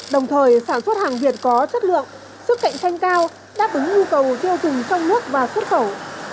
đồng thời sản xuất hàng việt có chất lượng sức cạnh tranh cao đáp ứng nhu cầu tiêu dùng trong nước và xuất khẩu